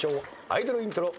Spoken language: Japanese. アイドルイントロ。